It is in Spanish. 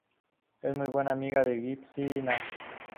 Es muy buena amiga de Gypsy Nash.